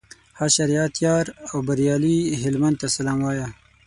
هغه شریعت یار او بریالي هلمند ته سلام وایه.